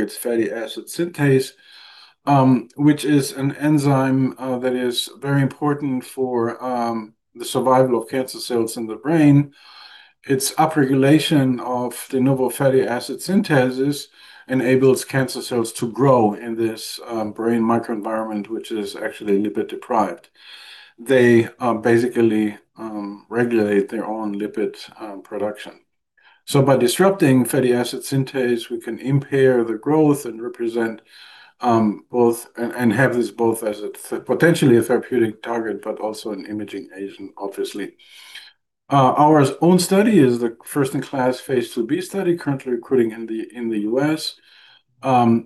It's fatty acid synthase, which is an enzyme that is very important for the survival of cancer cells in the brain. Its upregulation of the novel fatty acid synthases enables cancer cells to grow in this brain microenvironment, which is actually lipid deprived. They basically regulate their own lipid production. So by disrupting fatty acid synthase, we can impair the growth and represent both and have this both as a potentially a therapeutic target, but also an imaging agent, obviously. Our own study is the first-in-class Phase IIb study, currently recruiting in the U.S.,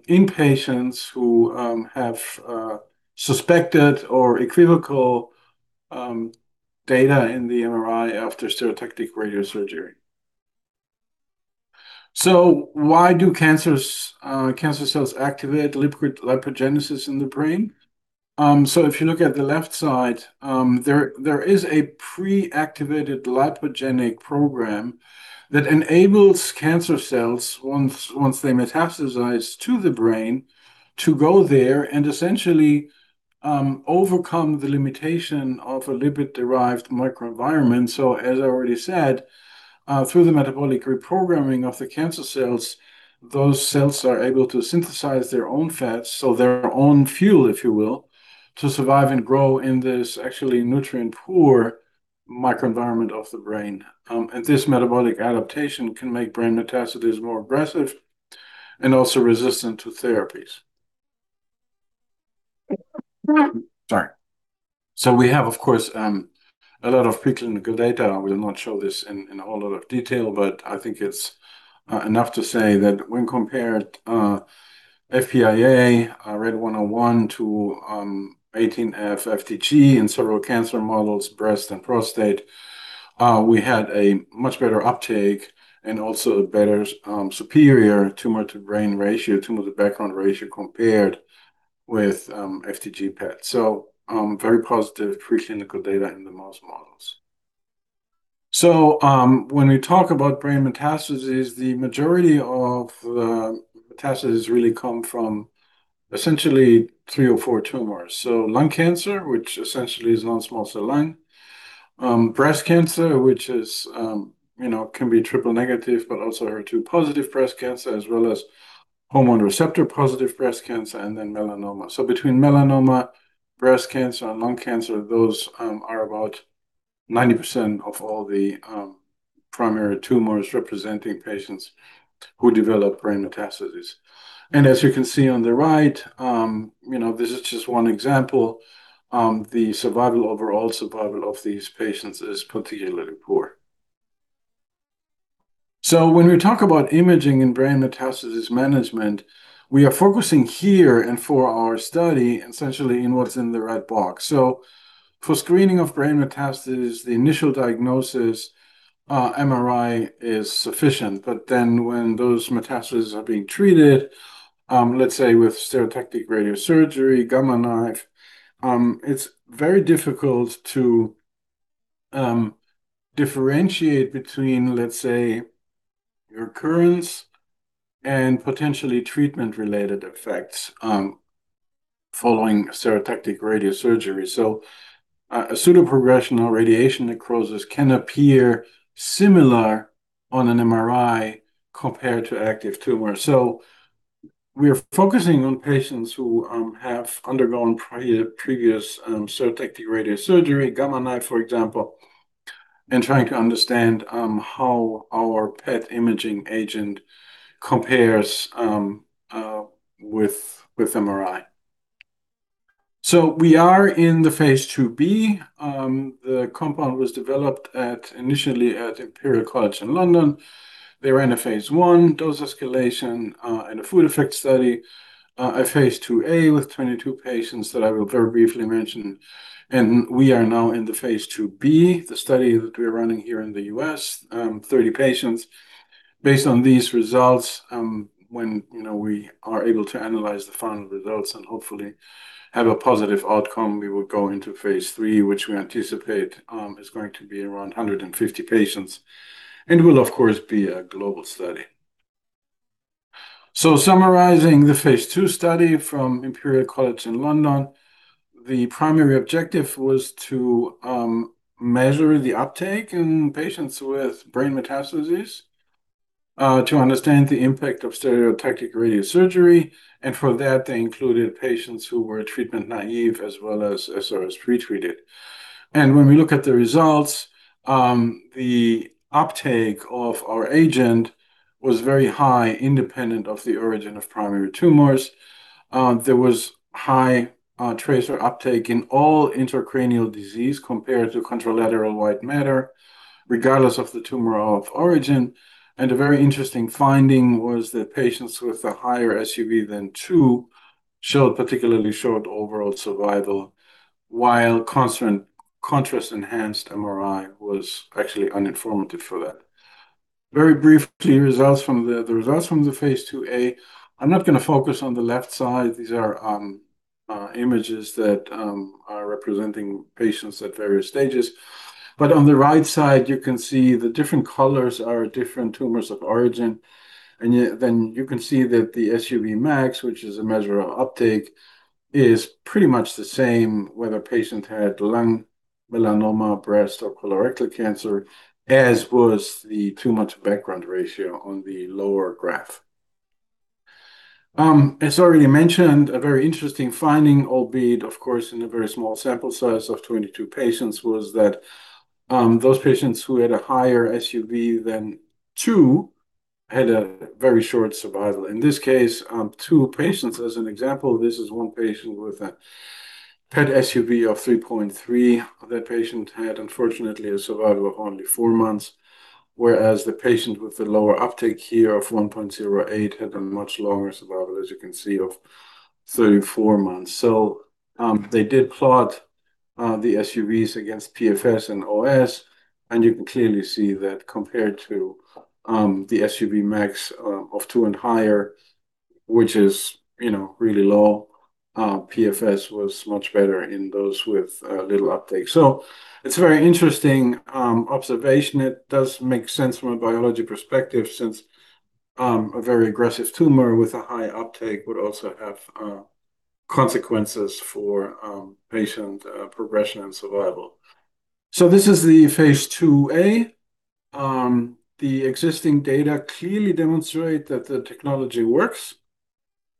in patients who have suspected or equivocal data in the MRI after stereotactic radiosurgery. So why do cancer cells activate lipogenesis in the brain? If you look at the left side, there is a pre-activated lipogenic program that enables cancer cells, once they metastasize to the brain, to go there and essentially overcome the limitation of a lipid-derived microenvironment. As I already said, through the metabolic reprogramming of the cancer cells, those cells are able to synthesize their own fats, so their own fuel, if you will, to survive and grow in this actually nutrient-poor microenvironment of the brain. This metabolic adaptation can make brain metastasis more aggressive and also resistant to therapies. Sorry. So we have, of course, a lot of preclinical data. We'll not show this in a whole lot of detail, but I think it's enough to say that when compared to FPIA, RAD-101 to 18F-FDG in several cancer models, breast and prostate, we had a much better uptake and also a better superior tumor-to-brain ratio, tumor-to-background ratio compared with FDG PET. So very positive preclinical data in the mouse models. So when we talk about brain metastases, the majority of the metastasis really come from essentially three or four tumors. So lung cancer, which essentially is non-small cell lung, breast cancer, which can be triple negative, but also HER2-positive breast cancer, as well as hormone receptor positive breast cancer, and then melanoma. So between melanoma, breast cancer, and lung cancer, those are about 90% of all the primary tumors representing patients who develop brain metastases. And as you can see on the right, this is just one example. The survival, overall survival of these patients is particularly poor. So when we talk about imaging and brain metastasis management, we are focusing here and for our study essentially in what's in the Red box. So for screening of brain metastasis, the initial diagnosis, MRI is sufficient. But then when those metastases are being treated, let's say with stereotactic radiosurgery, Gamma Knife, it's very difficult to differentiate between, let's say, recurrence and potentially treatment-related effects following stereotactic radiosurgery. So a pseudoprogression radiation necrosis can appear similar on an MRI compared to active tumor. So we're focusing on patients who have undergone previous stereotactic radiosurgery, Gamma Knife, for example, and trying to understand how our PET imaging agent compares with MRI. So we are in the Phase IIb. The compound was developed initially at Imperial College London. They ran a Phase I dose escalation and a food effect study, a Phase IIa with 22 patients that I will very briefly mention. And we are now in the Phase IIb, the study that we're running here in the U.S., 30 patients. Based on these results, when we are able to analyze the final results and hopefully have a positive outcome, we will go into Phase III, which we anticipate is going to be around 150 patients, and it will, of course, be a global study, so summarizing the Phase II study from Imperial College London, the primary objective was to measure the uptake in patients with brain metastases to understand the impact of stereotactic radiosurgery, and for that, they included patients who were treatment naive as well as pre-treated. And when we look at the results, the uptake of our agent was very high, independent of the origin of primary tumors. There was high tracer uptake in all intracranial disease compared to contralateral white matter, regardless of the tumor of origin. A very interesting finding was that patients with a higher SUV than two showed particularly short overall survival, while contrast-enhanced MRI was actually uninformative for that. Very briefly, the results from the Phase IIa, I'm not going to focus on the left side. These are images that are representing patients at various stages. But on the right side, you can see the different colors are different tumors of origin. And then you can see that the SUV max, which is a measure of uptake, is pretty much the same, whether patient had lung melanoma, breast, or colorectal cancer, as was the tumor-to-background ratio on the lower graph. As already mentioned, a very interesting finding, albeit, of course, in a very small sample size of 22 patients, was that those patients who had a higher SUV than two had a very short survival. In this case, two patients, as an example, this is one patient with a PET SUV of 3.3. That patient had, unfortunately, a survival of only four months, whereas the patient with the lower uptake here of 1.08 had a much longer survival, as you can see, of 34 months. So they did plot the SUVs against PFS and OS, and you can clearly see that compared to the SUV max of two and higher, which is really low, PFS was much better in those with little uptake. So it's a very interesting observation. It does make sense from a biology perspective since a very aggressive tumor with a high uptake would also have consequences for patient progression and survival. So this is the Phase IIa. The existing data clearly demonstrate that the technology works.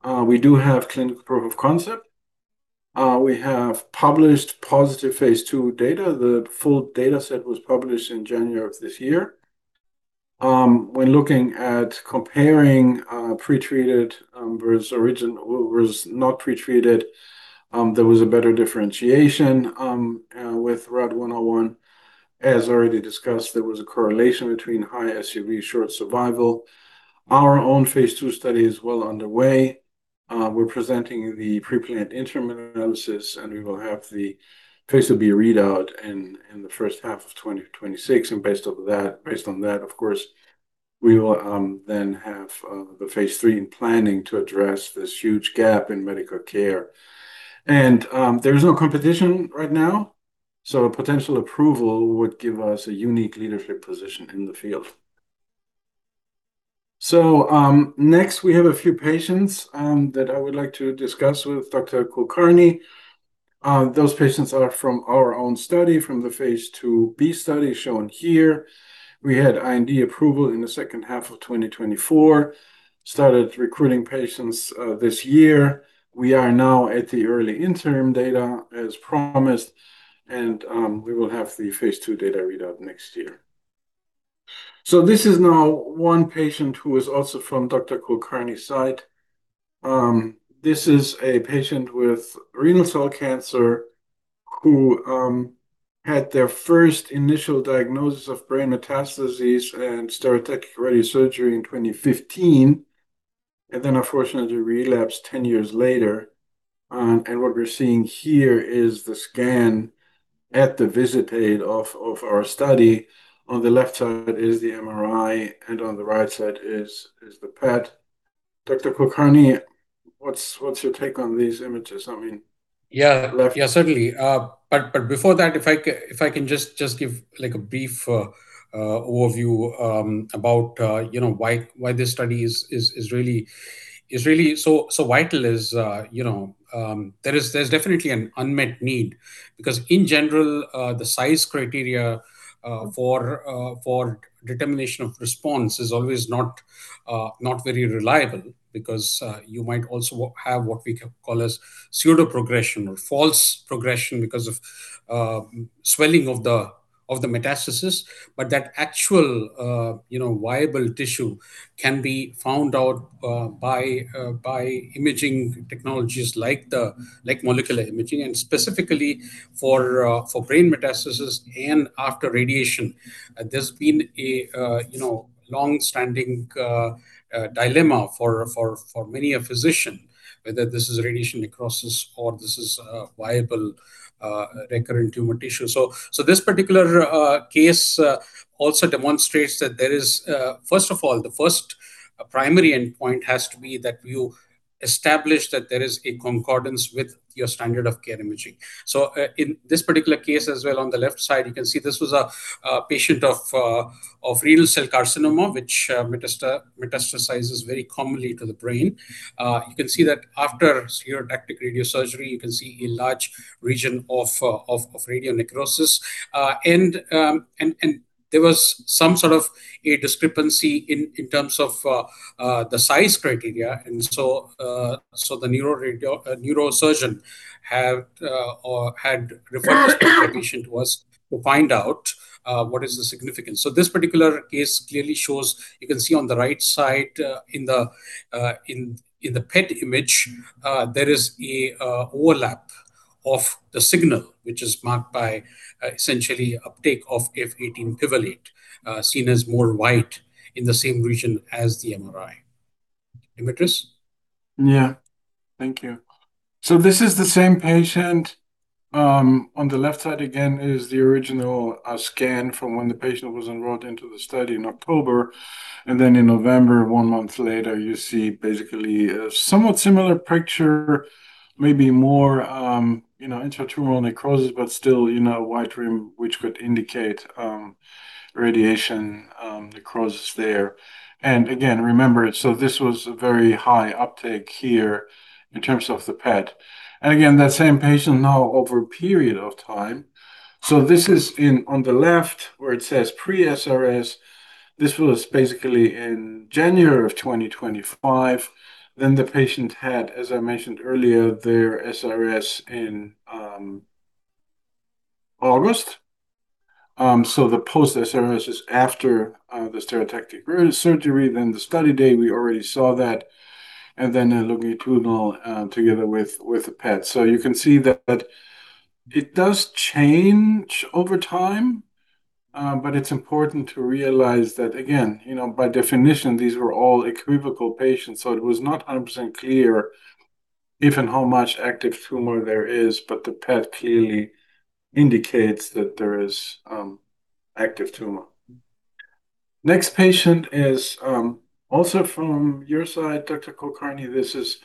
We do have clinical proof of concept. We have published positive Phase II data. The full dataset was published in January of this year. When looking at comparing pretreated versus not pretreated, there was a better differentiation with RAD-101. As already discussed, there was a correlation between high SUV, short survival. Our own Phase II study is well underway. We're presenting the preplanned interim analysis, and we will have the Phase IIb readout in the first half of 2026. And based on that, of course, we will then have the Phase III in planning to address this huge gap in medical care. And there is no competition right now, so potential approval would give us a unique leadership position in the field. So next, we have a few patients that I would like to discuss with Dr. Kulkarni. Those patients are from our own study, from the Phase IIb study shown here. We had IND approval in the second half of 2024, started recruiting patients this year. We are now at the early interim data, as promised, and we will have the Phase II data readout next year. So this is now one patient who is also from Dr. Kulkarni's side. This is a patient with renal cell cancer who had their first initial diagnosis of brain metastasis and stereotactic radiosurgery in 2015, and then, unfortunately, relapsed 10 years later. And what we're seeing here is the scan at the visit date of our study. On the left side is the MRI, and on the right side is the PET. Dr. Kulkarni, what's your take on these images? I mean. Yeah, certainly. But before that, if I can just give a brief overview about why this study is really so vital, there's definitely an unmet need because, in general, the size criteria for determination of response is always not very reliable because you might also have what we call as pseudoprogression or false progression because of swelling of the metastasis. But that actual viable tissue can be found out by imaging technologies like molecular imaging, and specifically for brain metastasis and after radiation. There's been a long-standing dilemma for many physicians, whether this is radiation necrosis or this is viable recurrent tumor tissue. So this particular case also demonstrates that there is, first of all, the first primary endpoint has to be that you establish that there is a concordance with your standard of care imaging. So in this particular case as well, on the left side, you can see this was a patient of renal cell carcinoma, which metastasizes very commonly to the brain. You can see that after stereotactic radiosurgery, you can see a large region of radiation necrosis, and there was some sort of a discrepancy in terms of the size criteria, and so the neurosurgeon had referred this patient to us to find out what is the significance, so this particular case clearly shows. You can see on the right side in the PET image, there is an overlap of the signal, which is marked by essentially uptake of 18F-pivalate, seen as more white in the same region as the MRI. Dimitris? Yeah, thank you. So this is the same patient. On the left side, again, is the original scan from when the patient was enrolled into the study in October. And then in November, one month later, you see basically a somewhat similar picture, maybe more intratumoral necrosis, but still a white rim, which could indicate radiation necrosis there. And again, remember, so this was a very high uptake here in terms of the PET. And again, that same patient now over a period of time. So this is on the left where it says pre-SRS. This was basically in January of 2025. Then the patient had, as I mentioned earlier, their SRS in August. So the post-SRS is after the stereotactic radiosurgery. Then the study day, we already saw that. And then the longitudinal together with the PET. So you can see that it does change over time, but it's important to realize that, again, by definition, these were all equivocal patients. So it was not 100% clear if and how much active tumor there is, but the PET clearly indicates that there is active tumor. Next patient is also from your side, Dr. Kulkarni. This is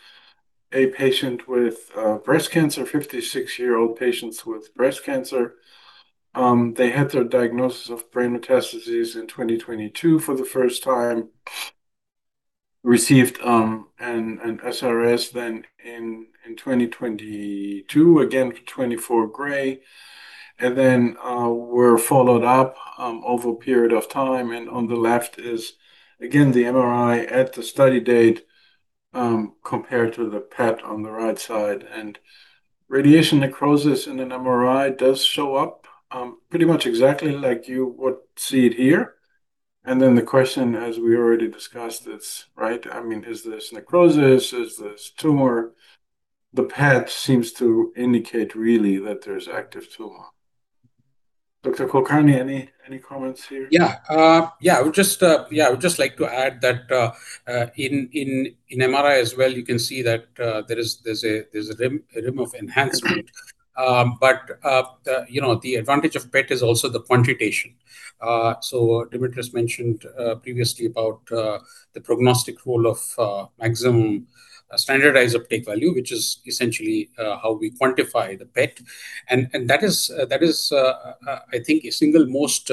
a patient with breast cancer, 56-year-old patients with breast cancer. They had their diagnosis of brain metastases in 2022 for the first time, received an SRS then in 2022, again for 24 gray, and then were followed up over a period of time. And on the left is, again, the MRI at the study date compared to the PET on the right side. And radiation necrosis in an MRI does show up pretty much exactly like you would see it here. And then the question, as we already discussed, it's right, I mean, is this necrosis? Is this tumor? The PET seems to indicate really that there's active tumor. Dr. Kulkarni, any comments here? Yeah, yeah, I would just like to add that in MRI as well, you can see that there's a rim of enhancement. But the advantage of PET is also the quantitation. So Dimitris mentioned previously about the prognostic role of maximum standardized uptake value, which is essentially how we quantify the PET. And that is, I think, a single most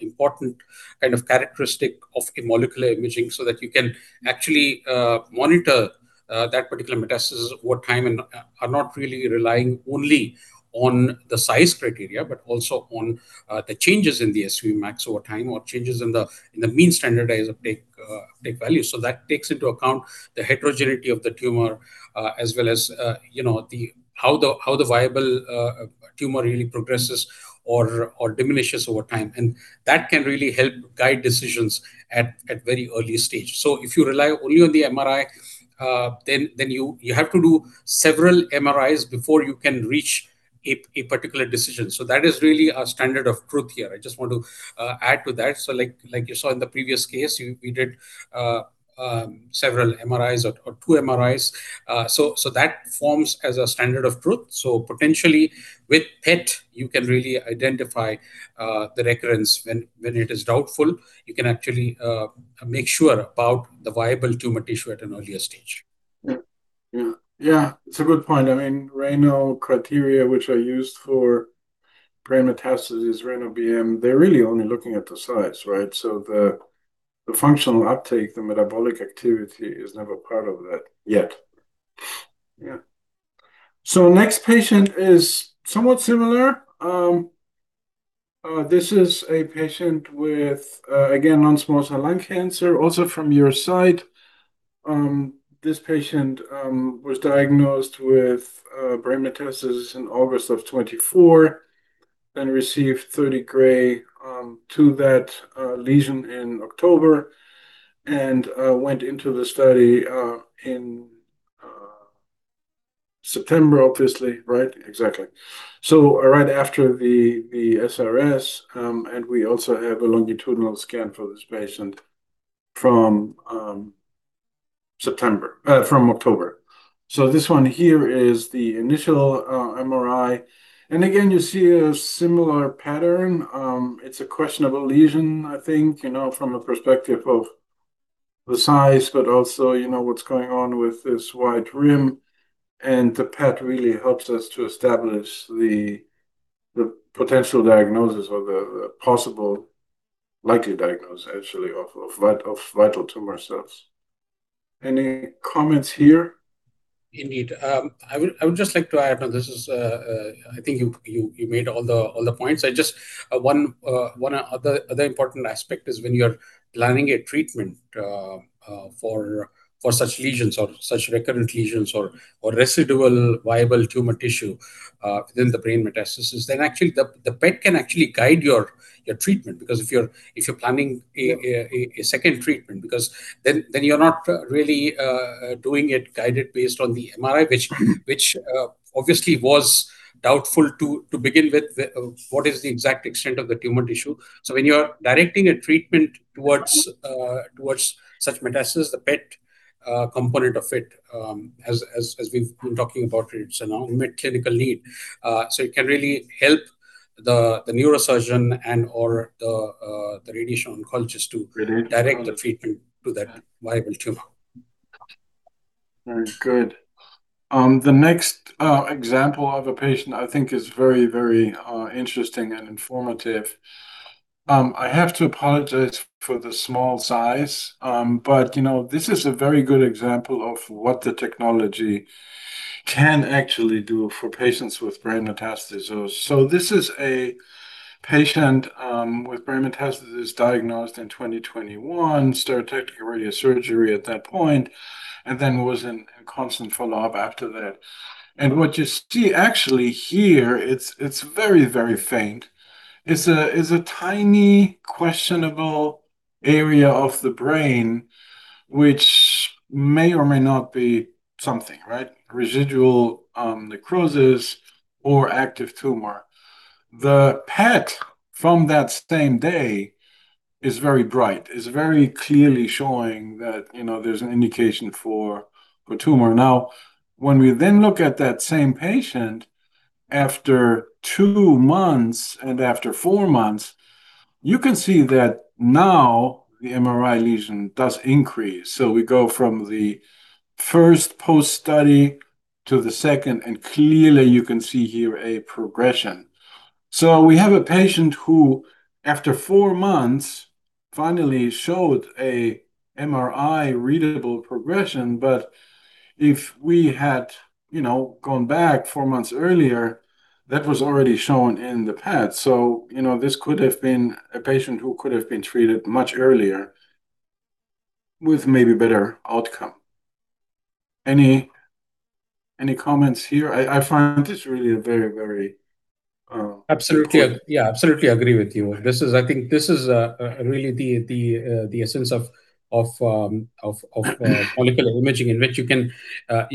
important kind of characteristic of molecular imaging so that you can actually monitor that particular metastasis over time and are not really relying only on the size criteria, but also on the changes in the SUV max over time or changes in the mean standardized uptake value. So that takes into account the heterogeneity of the tumor as well as how the viable tumor really progresses or diminishes over time. And that can really help guide decisions at very early stage. So if you rely only on the MRI, then you have to do several MRIs before you can reach a particular decision. So that is really a standard of truth here. I just want to add to that. So like you saw in the previous case, we did several MRIs or two MRIs. So that forms as a standard of truth. So potentially, with PET, you can really identify the recurrence. When it is doubtful, you can actually make sure about the viable tumor tissue at an earlier stage. Yeah, it's a good point. I mean, RANO criteria, which are used for brain metastases, RANO-BM, they're really only looking at the size, right? So the functional uptake, the metabolic activity is never part of that yet. Yeah. So next patient is somewhat similar. This is a patient with, again, non-small cell lung cancer, also from your side. This patient was diagnosed with brain metastasis in August of 2024, then received 30 gray to that lesion in October and went into the study in September, obviously, right? Exactly. So right after the SRS, and we also have a longitudinal scan for this patient from October. So this one here is the initial MRI. Again, you see a similar pattern. It's a questionable lesion, I think, from a perspective of the size, but also what's going on with this white rim. The PET really helps us to establish the potential diagnosis or the possible likely diagnosis, actually, of viable tumor cells. Any comments here? Indeed. I would just like to add, and this is, I think you made all the points. Just one other important aspect is when you're planning a treatment for such lesions or such recurrent lesions or residual viable tumor tissue within the brain metastasis, then actually the PET can actually guide your treatment because if you're planning a second treatment, because then you're not really doing it guided based on the MRI, which obviously was doubtful to begin with what is the exact extent of the tumor tissue. So when you're directing a treatment towards such metastasis, the PET component of it, as we've been talking about, it's an unmet clinical need. So it can really help the neurosurgeon and/or the radiation oncologist to direct the treatment to that viable tumor. Very good. The next example of a patient, I think, is very, very interesting and informative. I have to apologize for the small size, but this is a very good example of what the technology can actually do for patients with brain metastasis. So this is a patient with brain metastasis diagnosed in 2021, stereotactic radiosurgery at that point, and then was in constant follow-up after that. And what you see actually here, it's very, very faint. It's a tiny questionable area of the brain, which may or may not be something, right? Radiation necrosis or active tumor. The PET from that same day is very bright, is very clearly showing that there's an indication for tumor. Now, when we then look at that same patient after two months and after four months, you can see that now the MRI lesion does increase. So we go from the first post-study to the second, and clearly you can see here a progression. So we have a patient who, after four months, finally showed an MRI-readable progression, but if we had gone back four months earlier, that was already shown in the PET. So this could have been a patient who could have been treated much earlier with maybe better outcome. Any comments here? I find this really a very, very. Absolutely. Yeah, absolutely agree with you. I think this is really the essence of molecular imaging in which you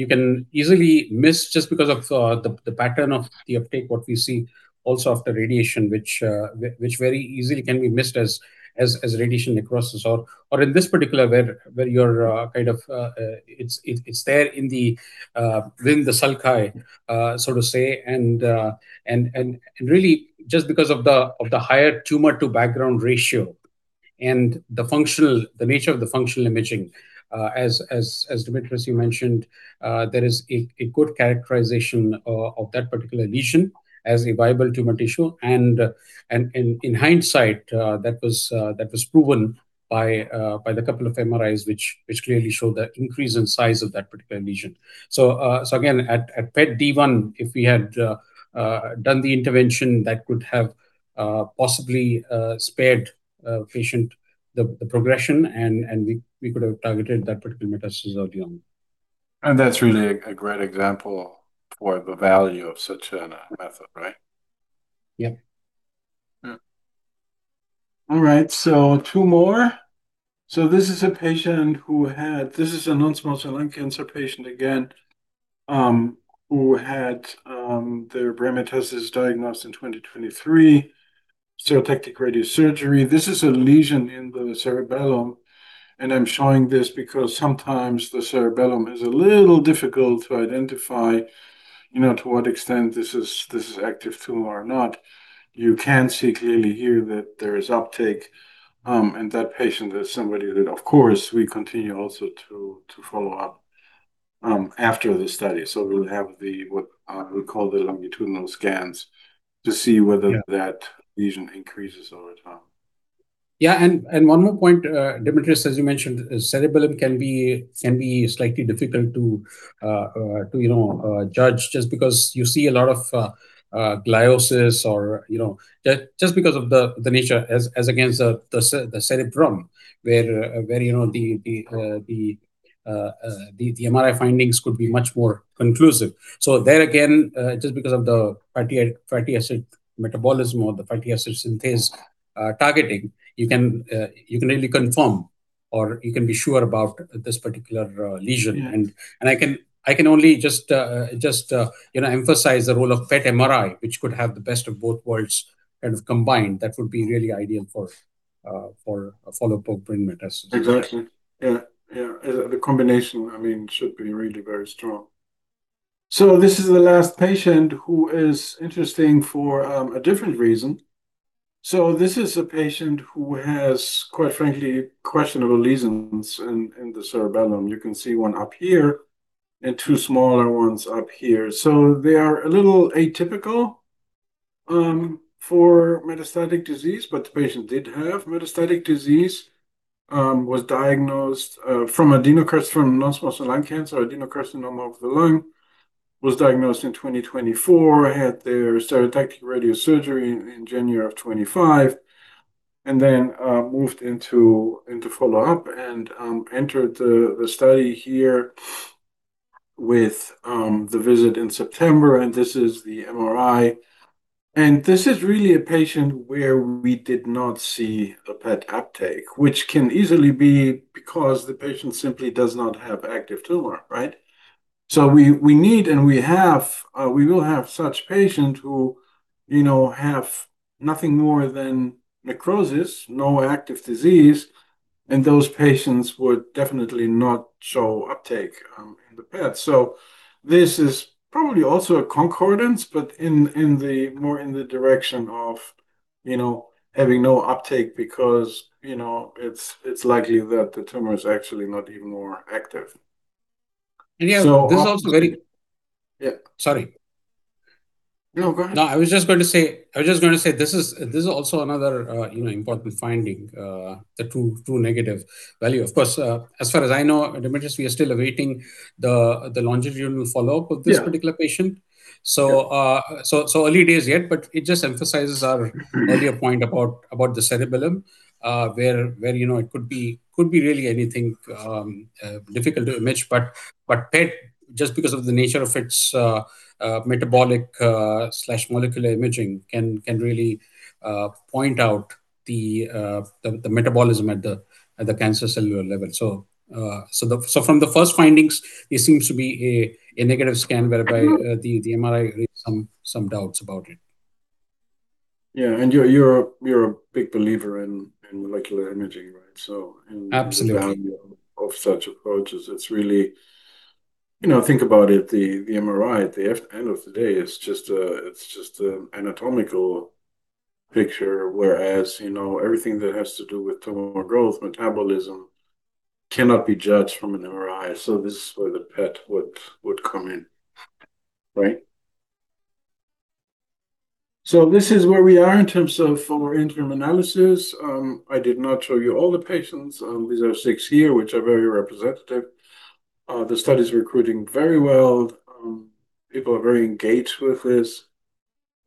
can easily miss just because of the pattern of the uptake what we see also after radiation, which very easily can be missed as radiation necrosis or in this particular where you're kind of, it's there within the sulci, so to say. And really, just because of the higher tumor-to-background ratio and the nature of the functional imaging, as Dimitris you mentioned, there is a good characterization of that particular lesion as a viable tumor tissue. And in hindsight, that was proven by the couple of MRIs, which clearly showed the increase in size of that particular lesion. So again, at PET-D1, if we had done the intervention, that could have possibly spared the patient the progression, and we could have targeted that particular metastasis early on. That's really a great example for the value of such a method, right? Yep. All right. So two more. So this is a patient who had, this is a non-small cell lung cancer patient, again, who had their brain metastasis diagnosed in 2023, stereotactic radiosurgery. This is a lesion in the cerebellum. And I'm showing this because sometimes the cerebellum is a little difficult to identify to what extent this is active tumor or not. You can see clearly here that there is uptake. And that patient is somebody that, of course, we continue also to follow-up after the study. So we'll have what we call the longitudinal scans to see whether that lesion increases over time. Yeah. And one more point, Dimitris, as you mentioned, cerebellum can be slightly difficult to judge just because you see a lot of gliosis or just because of the nature as against the cerebrum where the MRI findings could be much more conclusive. So there again, just because of the fatty acid metabolism or the fatty acid synthase targeting, you can really confirm or you can be sure about this particular lesion. And I can only just emphasize the role of PET MRI, which could have the best of both worlds kind of combined. That would be really ideal for follow-up of brain metastasis. Exactly. Yeah. Yeah. The combination, I mean, should be really very strong. So this is the last patient who is interesting for a different reason. So this is a patient who has, quite frankly, questionable lesions in the cerebellum. You can see one up here and two smaller ones up here. So they are a little atypical for metastatic disease, but the patient did have metastatic disease, was diagnosed from adenocarcinoma, non-small cell lung cancer, adenocarcinoma of the lung, was diagnosed in 2024, had their stereotactic radiosurgery in January of 2025, and then moved into follow-up and entered the study here with the visit in September. And this is the MRI. And this is really a patient where we did not see a PET uptake, which can easily be because the patient simply does not have active tumor, right? We need and we will have such patients who have nothing more than necrosis, no active disease, and those patients would definitely not show uptake in the PET. This is probably also a concordance, but more in the direction of having no uptake because it's likely that the tumor is actually not even more active. Yeah. So. This is also very. Yeah. Sorry. No, go ahead. No, I was just going to say this is also another important finding, the true negative value. Of course, as far as I know, Dimitris, we are still awaiting the longitudinal follow-up of this particular patient. So early days yet, but it just emphasizes our earlier point about the cerebellum where it could be really anything difficult to image. But PET, just because of the nature of its metabolic/molecular imaging, can really point out the metabolism at the cancer cellular level. So from the first findings, it seems to be a negative scan, whereby the MRI some doubts about it. Yeah. And you're a big believer in molecular imaging, right? Absolutely. Of such approaches. It's really, think about it, the MRI, at the end of the day, it's just an anatomical picture, whereas everything that has to do with tumor growth, metabolism cannot be judged from an MRI. So this is where the PET would come in, right? So this is where we are in terms of our interim analysis. I did not show you all the patients. These are six here, which are very representative. The study is recruiting very well. People are very engaged with this.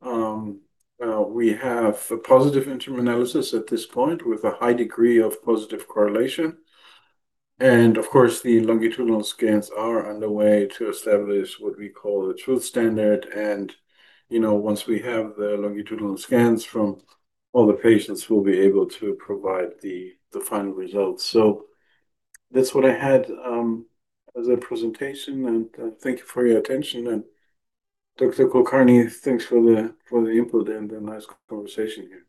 We have a positive interim analysis at this point with a high degree of positive correlation. And of course, the longitudinal scans are underway to establish what we call the truth standard. And once we have the longitudinal scans from all the patients, we'll be able to provide the final results. So that's what I had as a presentation. Thank you for your attention. Dr. Kulkarni, thanks for the input and the nice conversation here.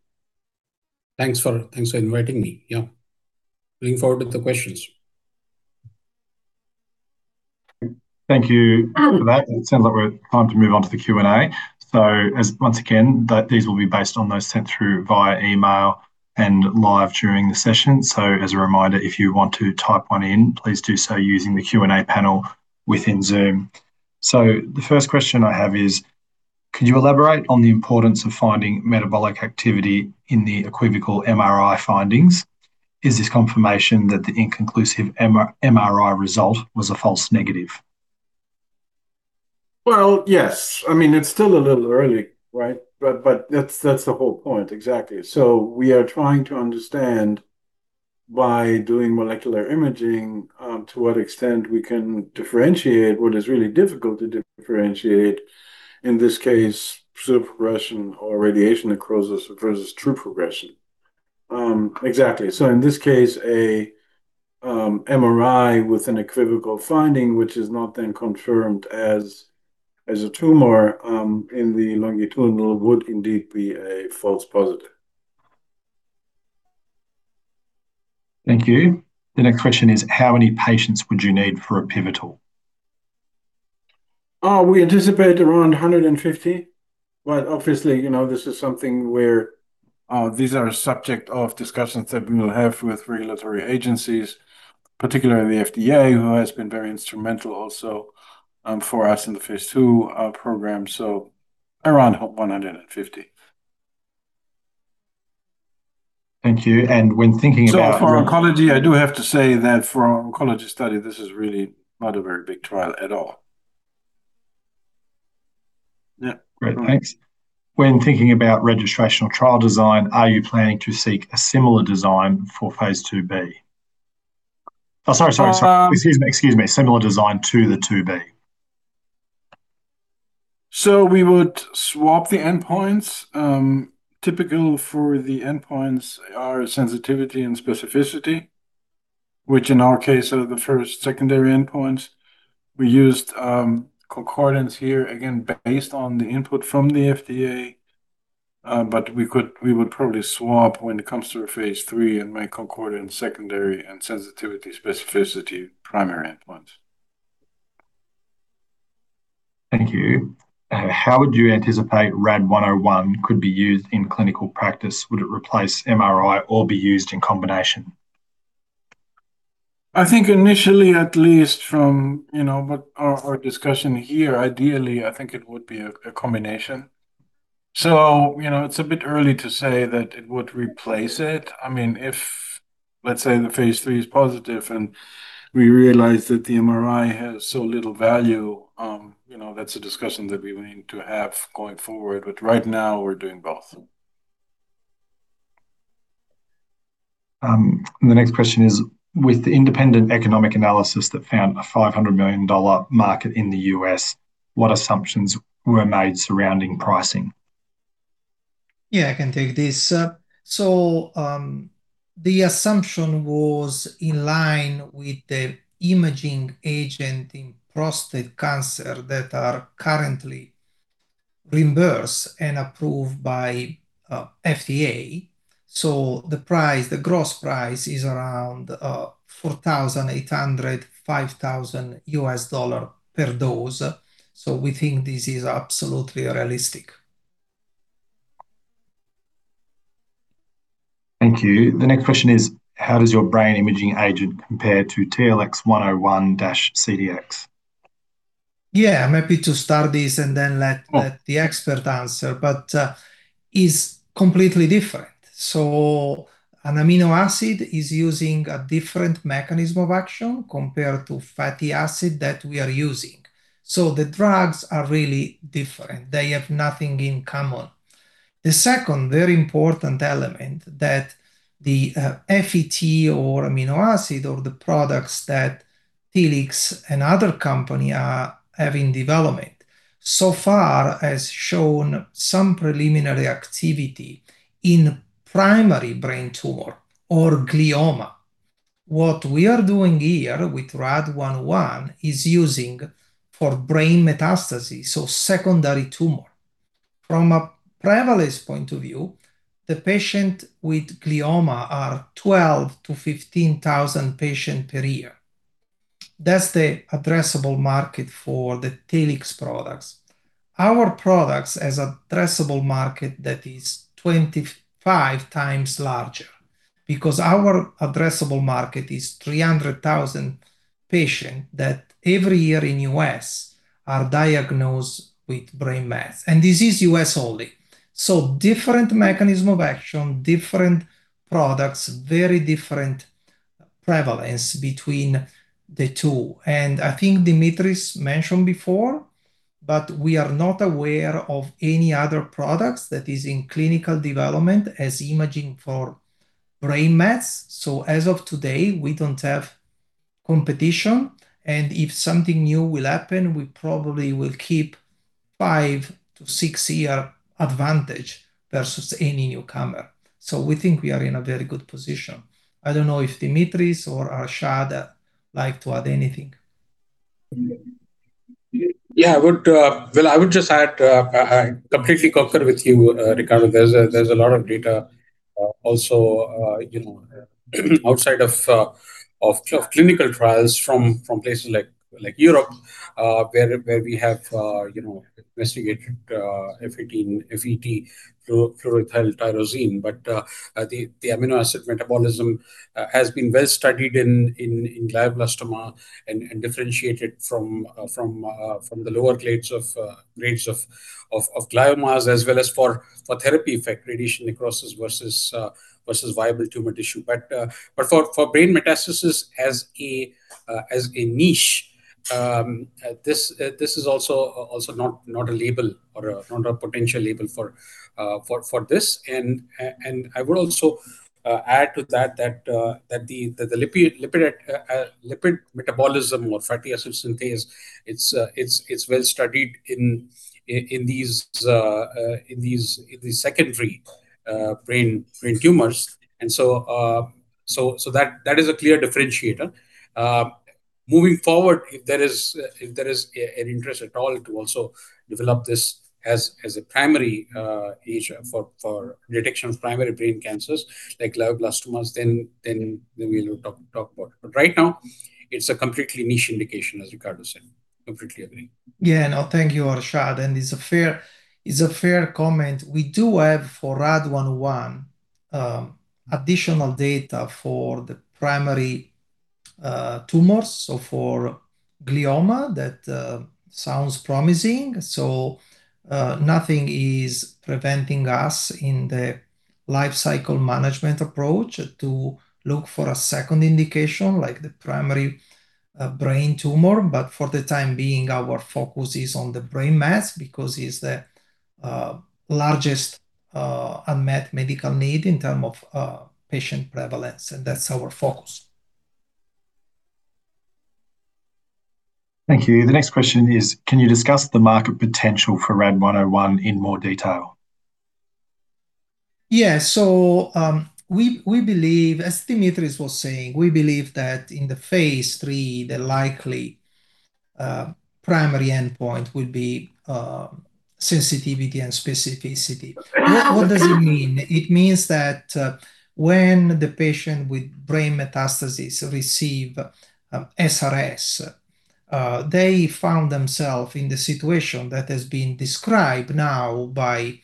Thanks for inviting me. Yeah. Looking forward to the questions. Thank you for that. It's time to move on to the Q&A. So once again, these will be based on those sent through via email and live during the session. So as a reminder, if you want to type one in, please do so using the Q&A panel within Zoom. So the first question I have is, could you elaborate on the importance of finding metabolic activity in the equivocal MRI findings? Is this confirmation that the inconclusive MRI result was a false negative? Well, yes. I mean, it's still a little early, right? But that's the whole point, exactly. So we are trying to understand by doing molecular imaging to what extent we can differentiate what is really difficult to differentiate in this case, pseudoprogression or radiation necrosis versus true progression. Exactly. In this case, an MRI with an equivocal finding, which is not then confirmed as a tumor in the longitudinal, would indeed be a false positive. Thank you. The next question is, how many patients would you need for a pivotal? We anticipate around 150. But obviously, this is something where these are subject of discussions that we will have with regulatory agencies, particularly the FDA, who has been very instrumental also for us in the Phase II program. So around 150. Thank you. And when thinking about. So for oncology, I do have to say that for oncology study, this is really not a very big trial at all. Yeah. Great. Thanks. When thinking about registrational trial design, are you planning to seek a similar design for Phase IIb? Oh, sorry. Excuse me. Similar design to the IIB. So we would swap the endpoints. Typical for the endpoints are sensitivity and specificity, which in our case are the first secondary endpoints. We used concordance here, again, based on the input from the FDA, but we would probably swap when it comes to a Phase III and make concordance secondary and sensitivity specificity primary endpoints. Thank you. How would you anticipate RAD-101 could be used in clinical practice? Would it replace MRI or be used in combination? I think initially, at least from our discussion here, ideally, I think it would be a combination. So it's a bit early to say that it would replace it. I mean, if, let's say, the Phase III is positive and we realize that the MRI has so little value, that's a discussion that we will need to have going forward. But right now, we're doing both. The next question is, with the independent economic analysis that found a $500 million market in the U.S., what assumptions were made surrounding pricing? Yeah, I can take this. So the assumption was in line with the imaging agent in prostate cancer that are currently reimbursed and approved by FDA. So we think this is absolutely realistic. The gross price is around $4,800-$5,000 per dose. So we think this is absolutely realistic. Thank you. The next question is, how does your brain imaging agent compare to TLX101-CDx? Yeah, I'm happy to start this and then let the expert answer, but it's completely different. So an amino acid is using a different mechanism of action compared to fatty acid that we are using. So the drugs are really different. They have nothing in common. The second very important element that the FET or amino acid or the products that Telix and other company are having development so far has shown some preliminary activity in primary brain tumor or glioma. What we are doing here with RAD-101 is using for brain metastasis, so secondary tumor. From a prevalence point of view, the patient with glioma are 12,000-15,000 patients per year. That's the addressable market for the Telix products. Our products have an addressable market that is 25 times larger because our addressable market is 300,000 patients that every year in the U.S. are diagnosed with brain metastasis. This is U.S. only. So different mechanism of action, different products, very different prevalence between the two. And I think Dimitris mentioned before, but we are not aware of any other products that are in clinical development as imaging for brain metastasis. So as of today, we don't have competition. And if something new will happen, we probably will keep five- to six-year advantage versus any newcomer. So we think we are in a very good position. I don't know if Dimitris or Harshad like to add anything. Yeah. Well, I would just add, I completely concur with you, Riccardo. There's a lot of data also outside of clinical trials from places like Europe where we have investigated FET, fluoroethyl tyrosine. But the amino acid metabolism has been well studied in glioblastoma and differentiated from the lower grades of gliomas as well as for therapy effect, radiation necrosis versus viable tumor tissue. But for brain metastasis as a niche, this is also not a label or not a potential label for this. And I would also add to that that the lipid metabolism or fatty acid synthase, it's well studied in these secondary brain tumors. And so that is a clear differentiator. Moving forward, if there is an interest at all to also develop this as a primary agent for detection of primary brain cancers like glioblastomas, then we will talk about it. But right now, it's a completely niche indication, as Riccardo said. Completely agree. Yeah. And I'll thank you, Harshad. And it's a fair comment. We do have for RAD-101 additional data for the primary tumors, so for glioma, that sounds promising. So nothing is preventing us in the life cycle management approach to look for a second indication like the primary brain tumor. But for the time being, our focus is on the brain metastasis because it's the largest unmet medical need in terms of patient prevalence. And that's our focus. Thank you. The next question is, can you discuss the market potential for RAD-101 in more detail? Yeah. So we believe, as Dimitris was saying, we believe that in the Phase III, the likely primary endpoint would be sensitivity and specificity. What does it mean? It means that when the patient with brain metastasis receives SRS, they found themselves in the situation that has been described now by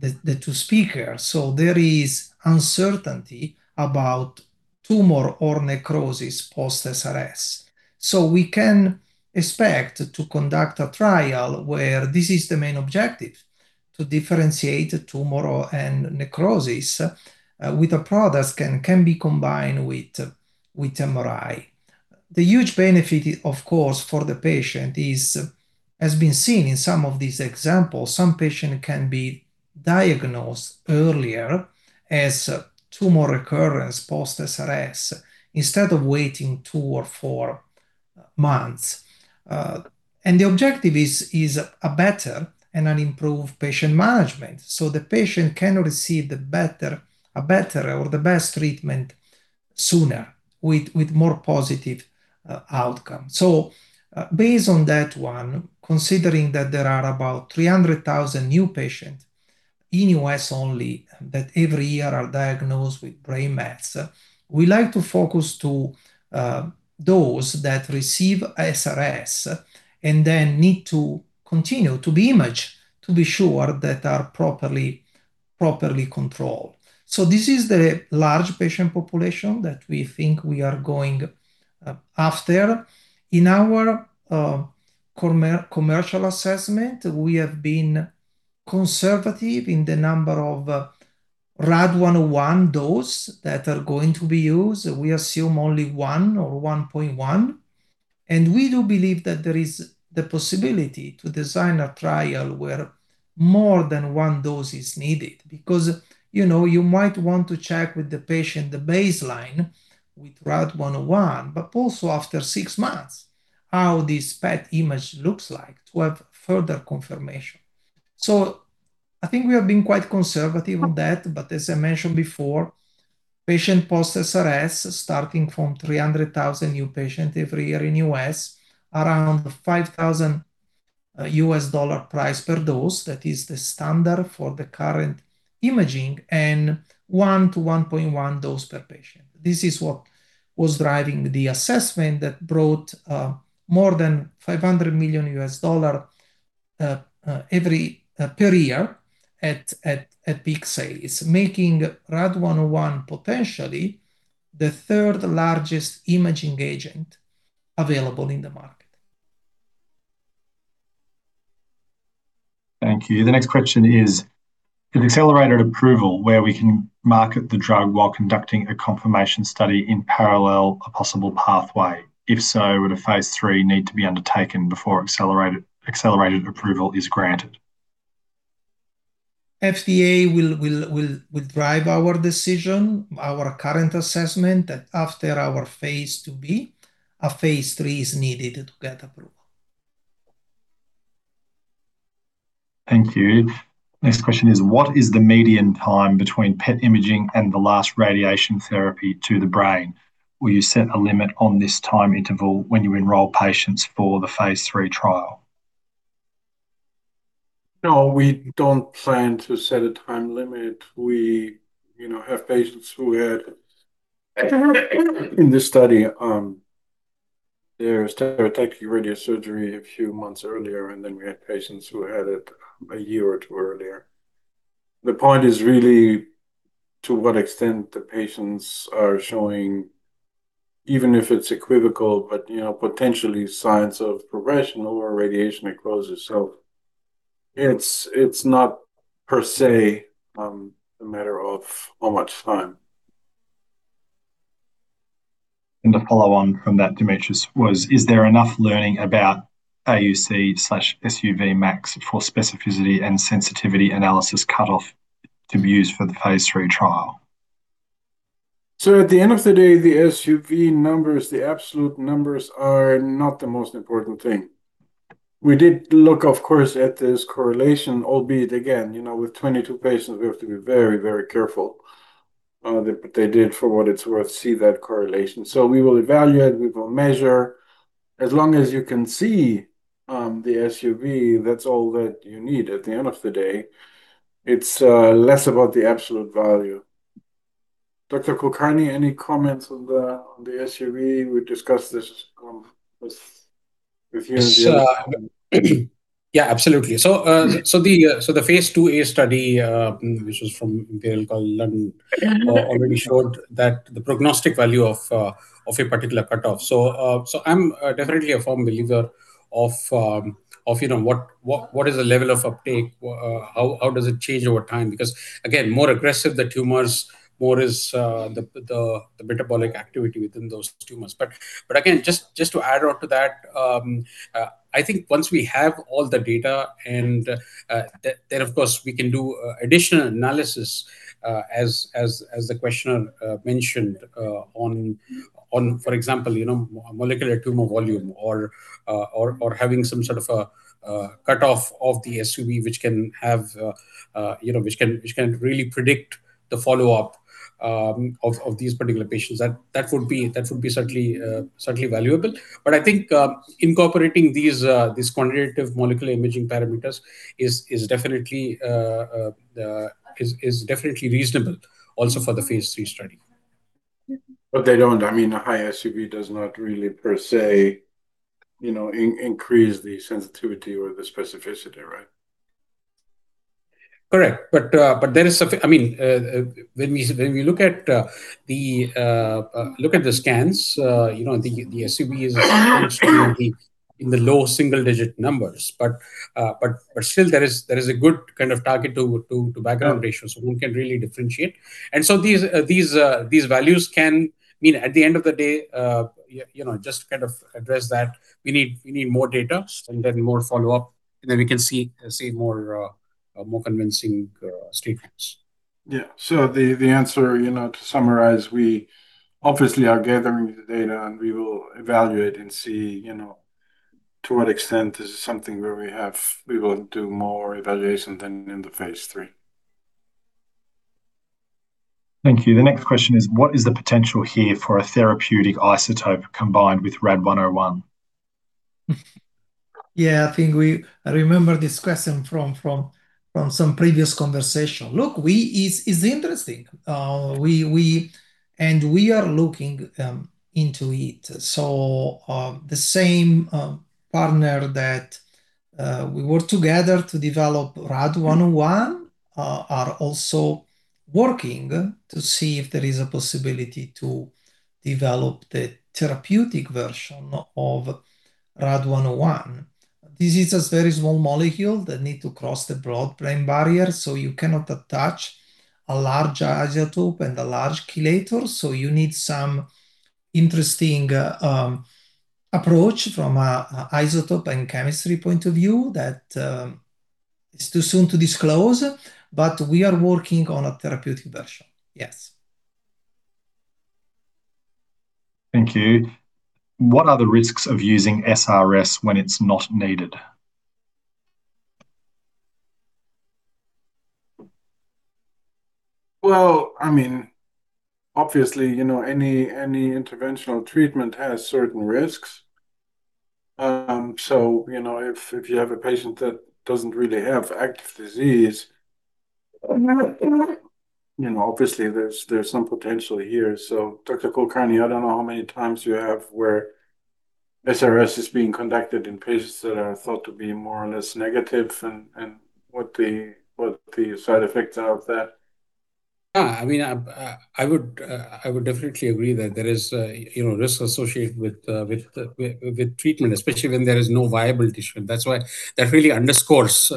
the two speakers. So we can expect to conduct a trial where this is the main objective, to differentiate tumor and necrosis with a product that can be combined with MRI. The huge benefit, of course, for the patient has been seen in some of these examples. Some patients can be diagnosed earlier as tumor recurrence post-SRS instead of waiting two or four months. The objective is a better and an improved patient management so the patient can receive a better or the best treatment sooner with more positive outcomes. Based on that one, considering that there are about 300,000 new patients in the U.S. only that every year are diagnosed with brain metastasis, we like to focus on those that receive SRS and then need to continue to be imaged to be sure that they are properly controlled. This is the large patient population that we think we are going after. In our commercial assessment, we have been conservative in the number of RAD-101 doses that are going to be used. We assume only one or 1.1. We do believe that there is the possibility to design a trial where more than one dose is needed because you might want to check with the patient the baseline with RAD-101, but also after six months, how this PET image looks like to have further confirmation. I think we have been quite conservative on that. As I mentioned before, patients post-SRS starting from 300,000 new patients every year in the U.S., around $5,000 price per dose. That is the standard for the current imaging and 1 to 1.1 dose per patient. This is what was driving the assessment that brought more than $500 million every year at peak sales, making RAD-101 potentially the third largest imaging agent available in the market. Thank you. The next question is, could accelerated approval where we can market the drug while conducting a confirmation study in parallel a possible pathway? If so, would a Phase III need to be undertaken before accelerated approval is granted? FDA will drive our decision, our current assessment that after our Phase IIb, a Phase III is needed to get approval. Thank you. Next question is, what is the median time between PET imaging and the last radiation therapy to the brain? Will you set a limit on this time interval when you enroll patients for the Phase III trial? No, we don't plan to set a time limit. We have patients who had, in this study, their stereotactic radiosurgery a few months earlier, and then we had patients who had it a year or two earlier. The point is really to what extent the patients are showing, even if it's equivocal, but potentially signs of progression or radiation necrosis itself. It's not per se a matter of how much time. The follow-on from that, Dimitris, was, is there enough learning about AUC/SUV max for specificity and sensitivity analysis cutoff to be used for the Phase III trial? So at the end of the day, the SUV numbers, the absolute numbers are not the most important thing. We did look, of course, at this correlation, albeit, again, with 22 patients, we have to be very, very careful. But they did, for what it's worth, see that correlation. So we will evaluate. We will measure. As long as you can see the SUV, that's all that you need. At the end of the day, it's less about the absolute value. Dr. Kulkarni, any comments on the SUV? We discussed this with you and Dimitris. Yeah, absolutely, so the Phase IIa study, which was from Imperial College London, already showed that the prognostic value of a particular cutoff. So I'm definitely a firm believer of what is the level of uptake, how does it change over time? Because, again, more aggressive the tumors, more is the metabolic activity within those tumors. But again, just to add on to that, I think once we have all the data and then, of course, we can do additional analysis as the questioner mentioned on, for example, molecular tumor volume or having some sort of a cutoff of the SUV, which can really predict the follow-up of these particular patients. That would be certainly valuable. But I think incorporating these quantitative molecular imaging parameters is definitely reasonable also for the Phase III study. But they don't. I mean, a high SUV does not really per se increase the sensitivity or the specificity, right? Correct. But I mean, when we look at the scans, the SUV is in the low single-digit numbers. But still, there is a good kind of target to background ratio so one can really differentiate. And so these values can, I mean, at the end of the day, just to kind of address that, we need more data and then more follow-up, and then we can see more convincing statements. Yeah. So the answer, to summarize, we obviously are gathering the data, and we will evaluate and see to what extent this is something where we will do more evaluation than in Phase III. Thank you. The next question is, what is the potential here for a therapeutic isotope combined with RAD-101? Yeah, I think I remember this question from some previous conversation. Look, it's interesting. And we are looking into it. So the same partner that we worked together to develop RAD-101 are also working to see if there is a possibility to develop the therapeutic version of RAD-101. This is a very small molecule that needs to cross the blood-brain barrier. So you cannot attach a large isotope and a large chelator. So you need some interesting approach from an isotope and chemistry point of view that is too soon to disclose. But we are working on a therapeutic version. Yes. Thank you. What are the risks of using SRS when it's not needed? I mean, obviously, any interventional treatment has certain risks, so if you have a patient that doesn't really have active disease, obviously, there's some potential here, so Dr. Kulkarni, I don't know how many times you have where SRS is being conducted in patients that are thought to be more or less negative and what the side effects are of that. Yeah. I mean, I would definitely agree that there is risk associated with treatment, especially when there is no viable tissue. And that's why that really underscores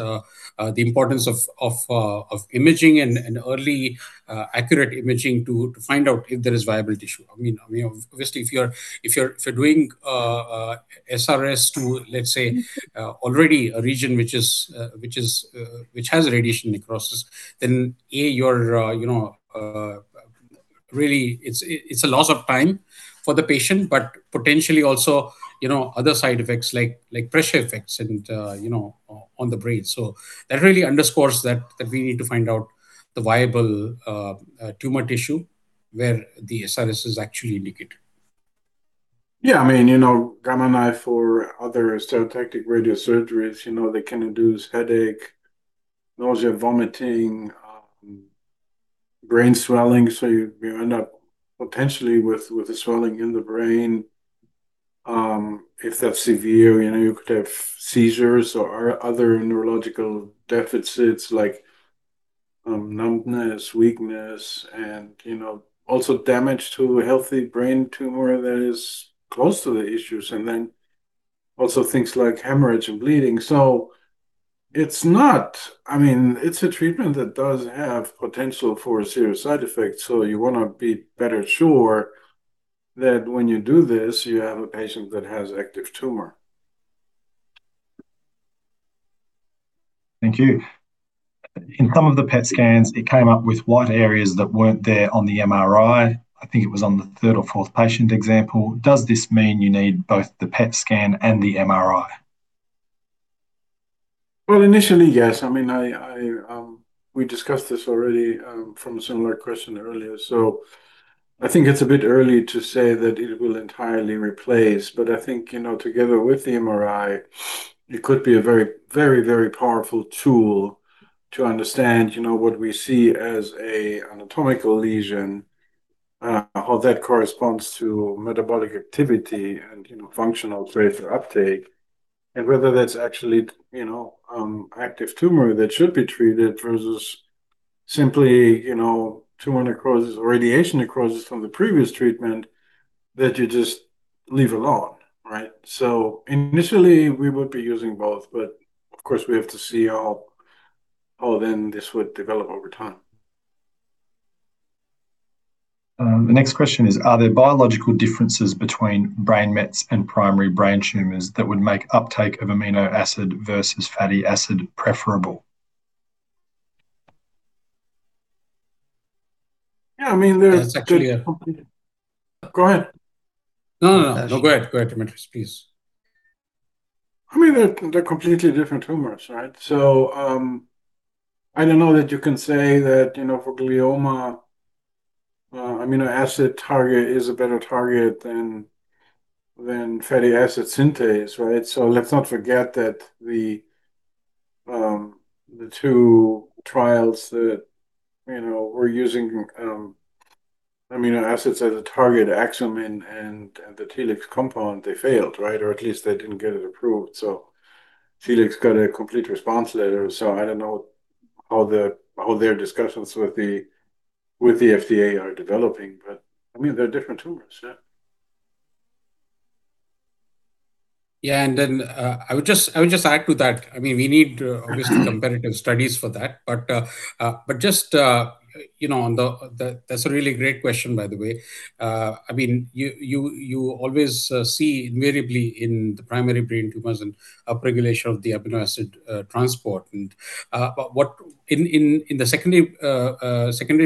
the importance of imaging and early accurate imaging to find out if there is viable tissue. I mean, obviously, if you're doing SRS to, let's say, already a region which has radiation necrosis, then A, really, it's a loss of time for the patient, but potentially also other side effects like pressure effects on the brain. So that really underscores that we need to find out the viable tumor tissue where the SRS is actually indicated. Yeah. I mean, Gamma Knife or other stereotactic radiosurgeries, they can induce headache, nausea, vomiting, brain swelling. So you end up potentially with swelling in the brain. If that's severe, you could have seizures or other neurological deficits like numbness, weakness, and also damage to healthy brain tissue that is close to the tumor. And then also things like hemorrhage and bleeding. So it's not. I mean, it's a treatment that does have potential for serious side effects. So you want to be very sure that when you do this, you have a patient that has active tumor. Thank you. In some of the PET scans, it came up with white areas that weren't there on the MRI. I think it was on the third or fourth patient example. Does this mean you need both the PET scan and the MRI? Initially, yes. I mean, we discussed this already from a similar question earlier. So I think it's a bit early to say that it will entirely replace. But I think together with the MRI, it could be a very, very powerful tool to understand what we see as an anatomical lesion, how that corresponds to metabolic activity and functional tracer uptake, and whether that's actually active tumor that should be treated versus simply tumor necrosis or radiation necrosis from the previous treatment that you just leave alone, right? So initially, we would be using both. But of course, we have to see how then this would develop over time. The next question is, are there biological differences between brain metastasis and primary brain tumors that would make uptake of amino acid versus fatty acid preferable? Yeah. I mean, there's. That's actually a. Go ahead. No, no, no. No, go ahead, Dimitris. Please. I mean, they're completely different tumors, right? So I don't know that you can say that for glioma, amino acid target is a better target than fatty acid synthase, right? So let's not forget that the two trials that were using amino acids as a target, Axumin and the Telix compound, they failed, right? Or at least they didn't get it approved. So Telix got a complete response letter. So I don't know how their discussions with the FDA are developing. But I mean, they're different tumors, yeah. Yeah. And then I would just add to that. I mean, we need obviously comparative studies for that. But just that's a really great question, by the way. I mean, you always see invariably in the primary brain tumors and upregulation of the amino acid transport. But in the secondary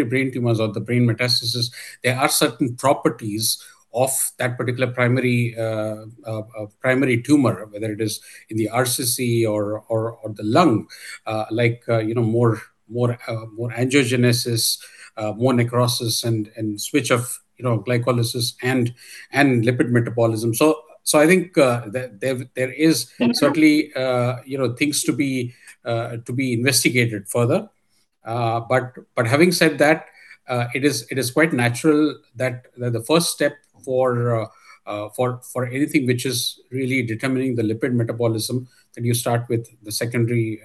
brain tumors or the brain metastasis, there are certain properties of that particular primary tumor, whether it is in the RCC or the lung, like more angiogenesis, more necrosis, and switch of glycolysis and lipid metabolism. So I think there is certainly things to be investigated further. But having said that, it is quite natural that the first step for anything which is really determining the lipid metabolism, that you start with the secondary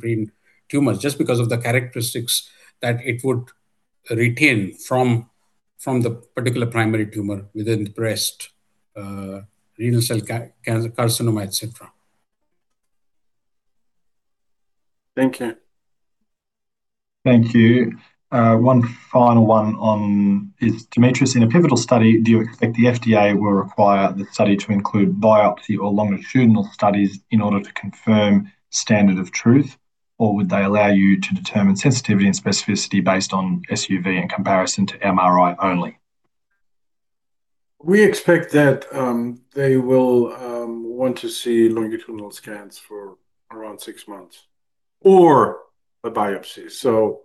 brain tumors just because of the characteristics that it would retain from the particular primary tumor within the breast, renal cell carcinoma, etc. Thank you. Thank you. One final one is, Dimitris, in a pivotal study, do you expect the FDA will require the study to include biopsy or longitudinal studies in order to confirm standard of truth? Or would they allow you to determine sensitivity and specificity based on SUV in comparison to MRI only? We expect that they will want to see longitudinal scans for around six months or a biopsy. So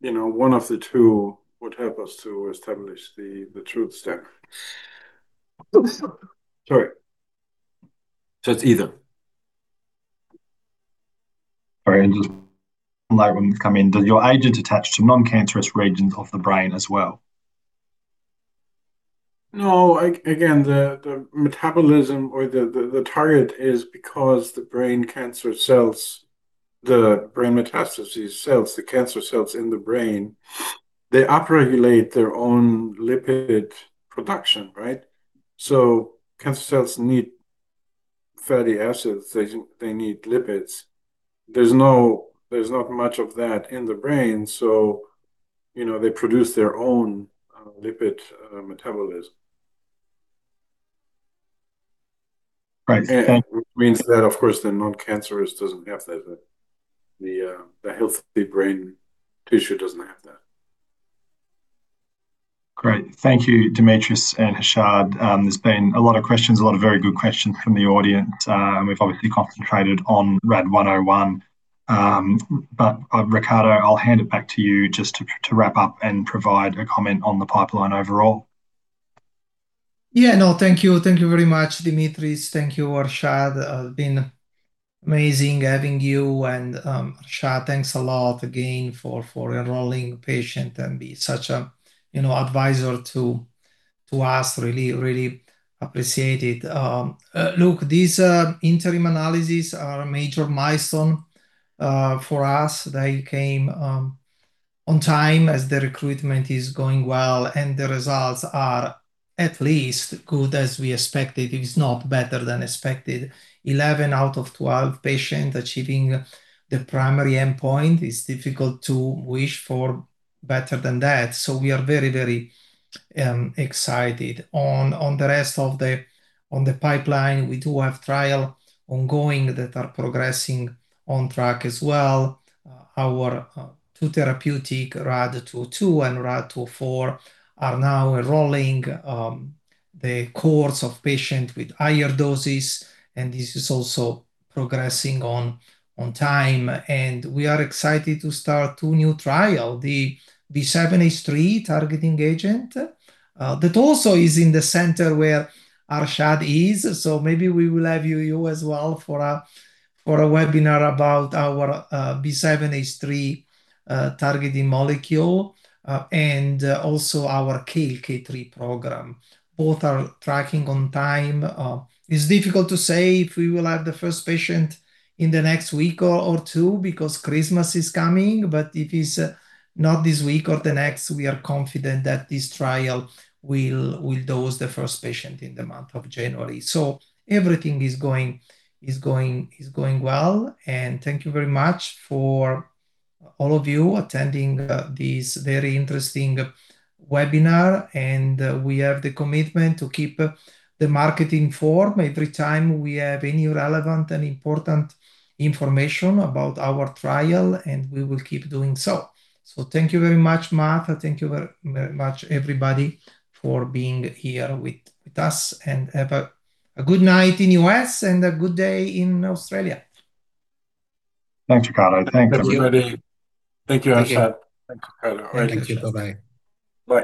one of the two would help us to establish the truth standard. Sorry. It's either. Sorry, I just want to let one come in. Does your agent attach to non-cancerous regions of the brain as well? No. Again, the metabolism or the target is because the brain cancer cells, the brain metastasis cells, the cancer cells in the brain, they upregulate their own lipid production, right? So cancer cells need fatty acids. They need lipids. There's not much of that in the brain. So they produce their own lipid metabolism. Right. Which means that, of course, the non-cancerous doesn't have that. The healthy brain tissue doesn't have that. Great. Thank you, Dimitris and Harshad. There's been a lot of questions, a lot of very good questions from the audience. We've obviously concentrated on RAD-101. But Riccardo, I'll hand it back to you just to wrap up and provide a comment on the pipeline overall. Yeah. No, thank you. Thank you very much, Dimitris. Thank you, Harshad. It's been amazing having you. And Harshad, thanks a lot again for enrolling patients and being such an advisor to us. Really appreciate it. Look, these interim analyses are a major milestone for us. They came on time as the recruitment is going well. And the results are at least as good as we expected. It's not better than expected. 11 out of 12 patients achieving the primary endpoint. It's difficult to wish for better than that. So we are very, very excited. On the rest of the pipeline, we do have trials ongoing that are progressing on track as well. Our two therapeutics, RAD-202 and RAD-204, are now enrolling cohorts of patients with higher doses. And this is also progressing on time. And we are excited to start two new trials, the B7-H3 targeting agent, that also is in the center where Harshad is. So maybe we will have you as well for a webinar about our B7-H3 targeting molecule and also our KLK3 program. Both are tracking on time. It's difficult to say if we will have the first patient in the next week or two because Christmas is coming. But if it's not this week or the next, we are confident that this trial will dose the first patient in the month of January. So everything is going well. And thank you very much for all of you attending this very interesting webinar. And we have the commitment to keep the market informed every time we have any relevant and important information about our trial. And we will keep doing so. So thank you very much, Matt. Thank you very much, everybody, for being here with us and have a good night in the U.S. and a good day in Australia. Thanks, Riccardo. Thanks. Have a great day. Thank you, Harshad. Thanks, Riccardo. All right. Thank you. Bye-bye. Bye.